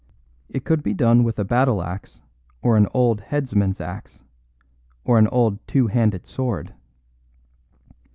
It could be done with a battle axe or an old headsman's axe, or an old two handed sword."